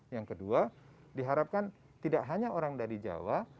yang kedua diharapkan tidak hanya orang dari jawa